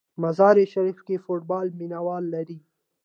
مزار شریف کې فوټبال مینه وال لري.